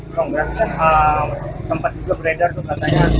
dong berarti kan sempat juga beredar tuh katanya